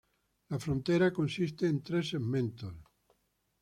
La frontera consiste en tres segmentos.